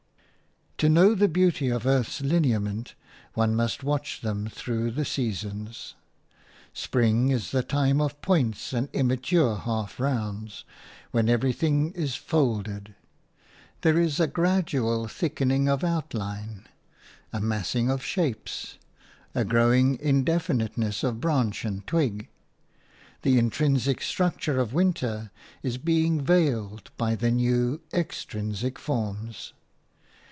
To know the beauty of earth's lineaments, one must watch them through the seasons. Spring is the time of points and immature half rounds, when everything is folded. There is a gradual thickening of outline, a massing of shapes, a growing indefiniteness of branch and twig. The intrinsic structure of winter is being veiled by the new, extrinsic forms.